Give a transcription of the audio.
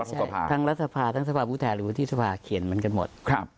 ใช่ทั้งรัฐภาพทั้งสภาพพูดแทนหรือวัฒนภาพเขียนมันกันหมด